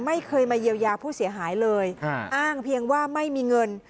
ไม่เคยมาเยียวยาผู้เสียหายเลยอ้างเพียงว่าไม่มีเงิน